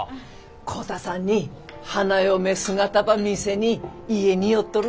浩太さんに花嫁姿ば見せに家に寄っとるごた。